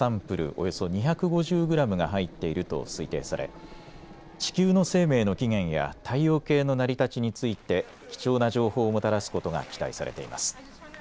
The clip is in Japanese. およそ２５０グラムが入っていると推定され地球の生命の起源や太陽系の成り立ちについて貴重な情報をもたらすことが期待されています。